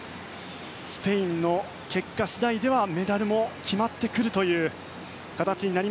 スペインの結果次第ではメダルも決まってくるという形。